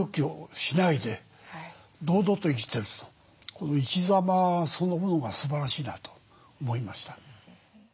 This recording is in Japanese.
この生き様そのものがすばらしいなと思いました。